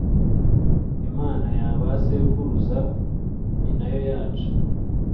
imana ya ba sekuruza ninayo yacu.